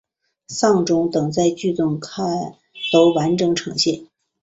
丧钟等在剧中都完整呈现。